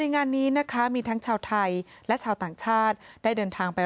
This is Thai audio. งานนี้นะคะมีทั้งชาวไทยและชาวต่างชาติได้เดินทางไป